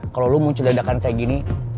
kalo lu muncul dadakan kayak gini